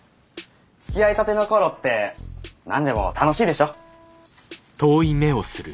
つきあいたての頃って何でも楽しいでしょ？